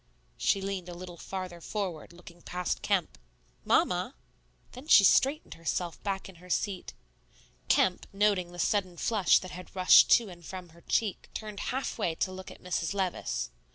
She leaned a little farther forward, looking past Kemp. "Mamma!" Then she straightened herself back in her seat. Kemp, noting the sudden flush that had rushed to and from her cheek, turned halfway to look at Mrs. Levice.